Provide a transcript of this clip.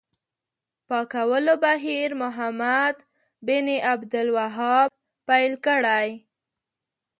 پاکولو بهیر محمد بن عبدالوهاب پیل کړی.